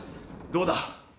どうだ？